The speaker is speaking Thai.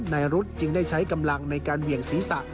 นายรุษจึงได้ใช้กำลังในการเบี่ยงศีรษะ